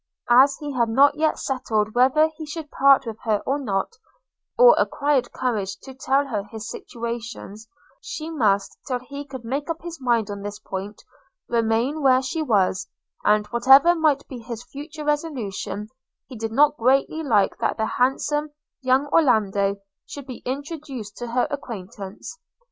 As he had not yet settled whether he should part with her or not, or acquired courage to tell her his intentions, she must, till he could make up his mind on this point, remain where she was; and, whatever might be his future resolution, he did not greatly like that the handsome, young Orlando should be introduced to her acquaintance.